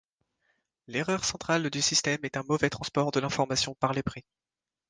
L'erreur centrale du système est un mauvais transport de l'information par les prix.